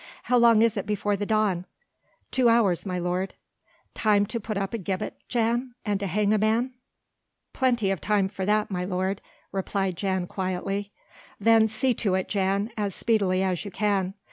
"How long is it before the dawn?" "Two hours, my lord." "Time to put up a gibbet, Jan? and to hang a man?" "Plenty of time for that, my lord," replied Jan quietly. "Then see to it, Jan, as speedily as you can.